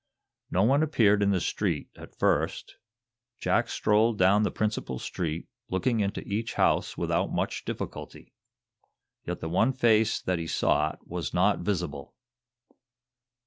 No one appeared in the street, at first. Jack strolled down the principal street, looking into each house without much difficulty. Yet the one face that he sought was not visible.